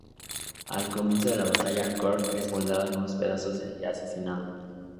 Al comienzo de la batalla, Korg es volado en pedazos y asesinado.